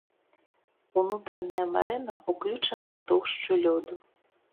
Унутраная марэна ўключана ў тоўшчу лёду.